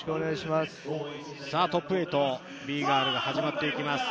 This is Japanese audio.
トップ８、Ｂ−ＧＩＲＬが始まっていきます。